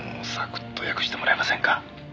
サクッと訳してもらえませんか？」